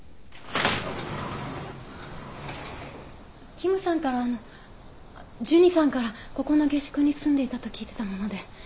キムさんからあのジュニさんからここの下宿に住んでいたと聞いてたもので。